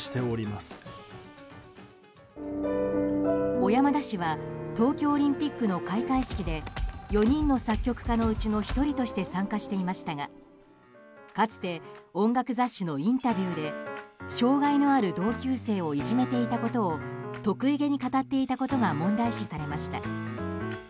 小山田氏は東京オリンピックの開会式で４人の作曲家のうちの１人として参加していましたが、かつて音楽雑誌のインタビューで障害のある同級生をいじめていたことを得意げに語っていたことが問題視されました。